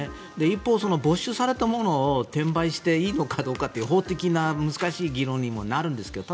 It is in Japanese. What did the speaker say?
一方、没収されたものを転売していいのかっていう法的な難しい議論にもなるんですけど。